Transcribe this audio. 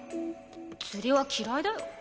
釣りは嫌いだよ。